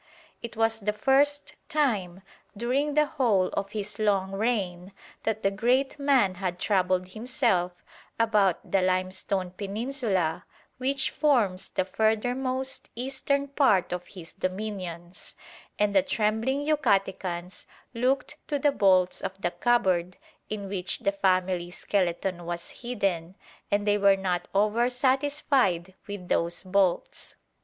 It was the first time during the whole of his long reign that the great man had troubled himself about the limestone peninsula which forms the furthermost eastern part of his dominions, and the trembling Yucatecans looked to the bolts of the cupboard in which the family skeleton was hidden, and they were not over satisfied with those bolts.